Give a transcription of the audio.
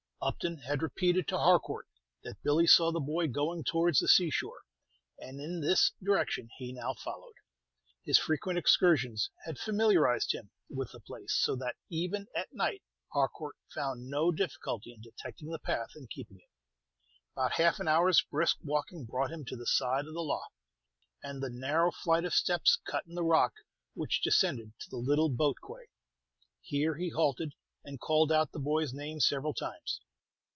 Upton had repeated to Harcourt that Billy saw the boy going towards the sea shore, and in this direction he now followed. His frequent excursions had familiarized him with the place, so that even at night Harcourt found no difficulty in detecting the path and keeping it. About half an hour's brisk walking brought him to the side of the lough, and the narrow flight of steps cut in the rock, which descended to the little boat quay. Here he halted, and called out the boy's name several times.